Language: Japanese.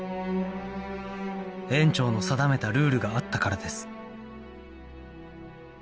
園長の定めたルールがあったからです